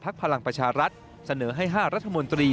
พลังประชารัฐเสนอให้๕รัฐมนตรี